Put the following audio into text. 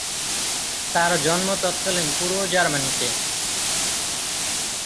তার জন্ম তৎকালীন পূর্ব জার্মানিতে।